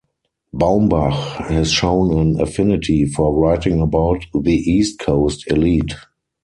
Baumbach has shown an affinity for writing about the East Coast elite.